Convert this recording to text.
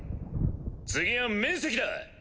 次は面積だ。